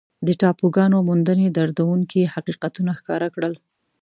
د ټاپوګانو موندنې دردونکي حقیقتونه ښکاره کړل.